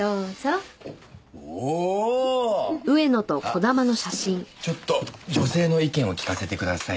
あっちょっと女性の意見を聞かせてください。